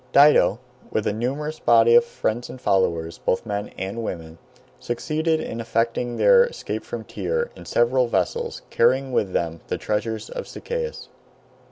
Dido, with a numerous body of friends and followers, both men and women, succeeded in effecting their escape from Tyre, in several vessels, carrying with them the treasures of Sichaeus.